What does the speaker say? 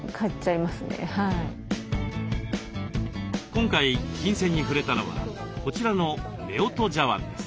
今回琴線に触れたのはこちらのめおと茶わんです。